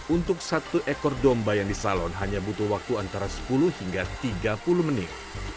untuk satu ekor domba yang disalon hanya butuh waktu antara sepuluh hingga tiga puluh menit